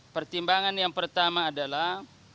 pertimbangan yang pertama adalah